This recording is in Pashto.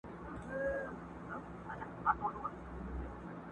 یو له بله کړو پوښتني لکه ښار د ماشومانو!